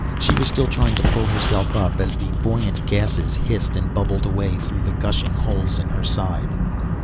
She was still trying to pull herself up, as the buoyant gasses hissed and bubbled away through the gushing holes in her side.